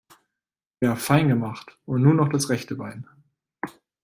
Ja fein gemacht, und nun noch das rechte Bein.